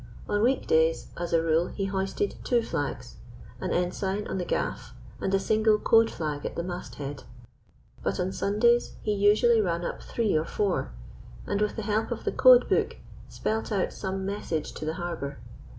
On weekdays, as a rule he hoisted two flags an ensign on the gaff, and a single code flag at the mast head; but on Sundays he usually ran up three or four, and with the help of the code book spelt out some message to the harbour.